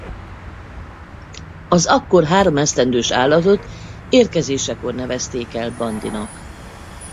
Az akkor három esztendős állatot érkezésekor nevezték el Bandinak.